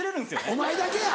お前だけや！